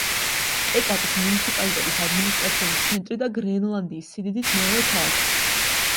კეკატის მუნიციპალიტეტის ადმინისტრაციული ცენტრი და გრენლანდიის სიდიდით მეორე ქალაქი.